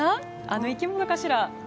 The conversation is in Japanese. あの生き物かしら？